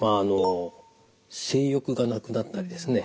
性欲がなくなったりですね